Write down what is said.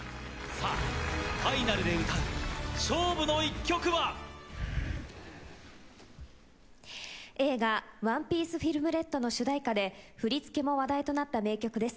ファイナルで歌う勝負の一曲は⁉映画『ＯＮＥＰＩＥＣＥＦＩＬＭＲＥＤ』の主題歌で振り付けも話題となった名曲です